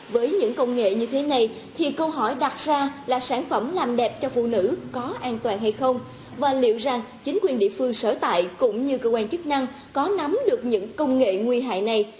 với những công nghệ như thế này thì câu hỏi đặt ra là sản phẩm làm đẹp cho phụ nữ có an toàn hay không và liệu rằng chính quyền địa phương sở tại cũng như cơ quan chức năng có nắm được những công nghệ nguy hại này